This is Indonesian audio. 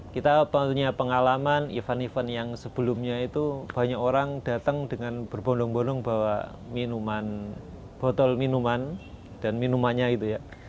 kita punya pengalaman event event yang sebelumnya itu banyak orang datang dengan berbondong bondong bawa minuman botol minuman dan minumannya gitu ya